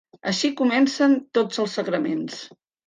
Així comencen tots els sagraments.